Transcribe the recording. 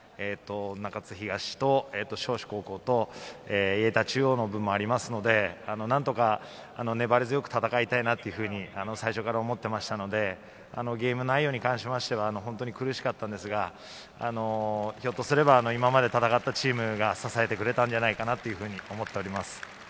中津東と尚志高校と、矢板中央の分もありますので、何とか粘り強く戦いたいなというふうに最初から思っていましたので、ゲーム内容に関しましては苦しかったんですが、ひょっとすれば今まで戦ったチームが支えてくれたんじゃないかなというふうに思っています。